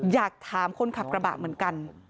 อยากถามคนขับกระบะเหมือนกัน